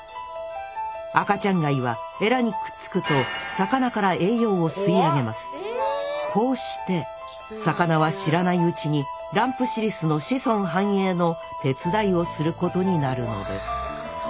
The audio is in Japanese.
赤ちゃん貝はエラにくっつくとこうして魚は知らないうちにランプシリスの子孫繁栄の手伝いをすることになるのです。